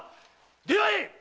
出会え！